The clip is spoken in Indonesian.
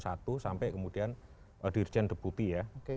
sampai kemudian dirjen deputi ya